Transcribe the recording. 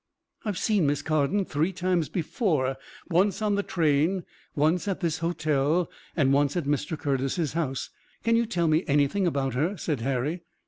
"I've seen Miss Carden three times before, once on the train, once at this hotel and once at Mr. Curtis's house; can you tell me anything about her?" said Harry.